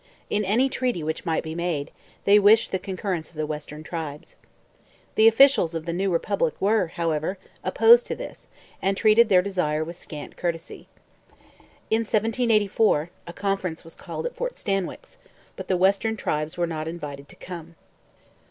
In any treaty which might be made, they wished the concurrence of the western tribes. The officials of the new republic were, however, opposed to this and treated their desire with scant courtesy. In 1784 a conference was called at Fort Stanwix, but the western tribes were not invited to come.